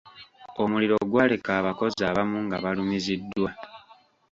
Omuliro gwaleka abakozi abamu nga balumiziddwa.